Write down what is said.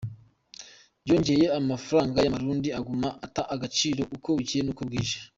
Vyongeye n’amafaranga y’Amarundi aguma ata agaciro uko bukeye uko bwije.